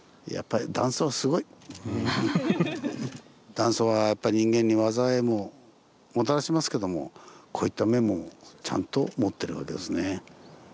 断層はやっぱ人間に災いももたらしますけどもこういった面もちゃんと持ってるわけですね。